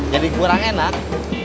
jadi kurang enak